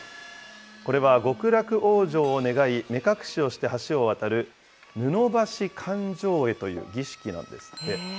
これは極楽往生を願い、目隠しをして橋を渡る布橋灌頂会という儀式なんですって。